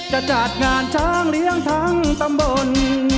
จะจัดงานทางเลี้ยงทางตำบล